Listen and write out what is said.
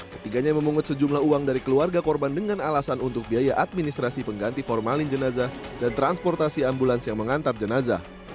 ketiganya memungut sejumlah uang dari keluarga korban dengan alasan untuk biaya administrasi pengganti formalin jenazah dan transportasi ambulans yang mengantar jenazah